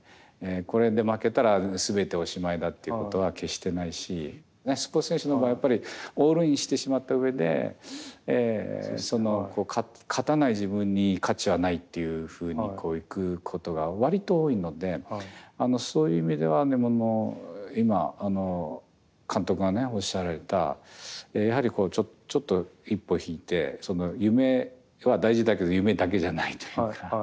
これで負けたら全ておしまいだっていうことは決してないしスポーツ選手の場合やっぱりオールインしてしまった上で勝たない自分に価値はないっていうふうにいくことが割と多いのでそういう意味では今監督がねおっしゃられたやはりちょっと一歩引いて夢は大事だけど夢だけじゃないというか。